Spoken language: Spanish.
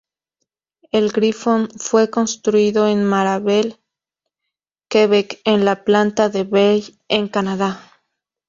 El "Griffon" fue construido en Mirabel, Quebec, en la planta de Bell en Canadá.